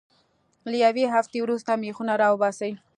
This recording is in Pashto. له یوې هفتې وروسته میخونه را وباسئ.